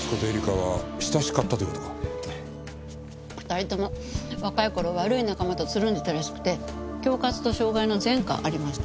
２人とも若い頃悪い仲間とつるんでたらしくて恐喝と傷害の前科ありました。